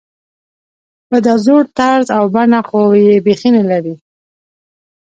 په دا زوړ طرز او بڼه خو یې بېخي نلري.